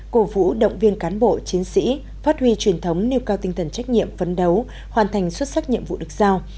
cổ vũ động viên cán bộ chiến sĩ phát huy truyền thống nêu cao tinh thần trách nhiệm phấn đấu hoàn thành xuất sắc nhiệm vụ được giao